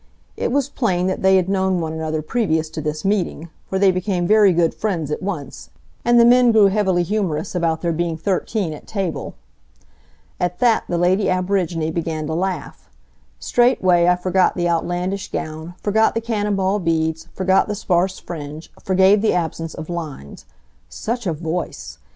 It was plain that they had known one another previous to this meeting, for they became very good friends at once, and the men grew heavily humorous about there being thirteen at table. At that the lady aborigine began to laugh. Straightway I forgot the outlandish gown, forgot the cannon ball beads, forgot the sparse fringe, forgave the absence of "lines." Such a voice!